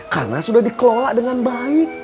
karena sudah dikelola dengan baik